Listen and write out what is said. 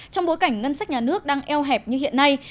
trong bối cảnh ngân sách nhà nước đang eo hẹp như hiện nay